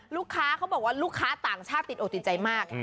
ลูกค้าเขาบอกว่าลูกค้าต่างชาติติดโอติใจมาก